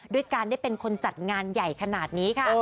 ด้วยการได้เป็นคนจัดงานใหญ่ขนาดนี้ค่ะ